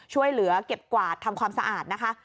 ช่วยเหลือเก็บกวาดทำความสะอาดนะคะ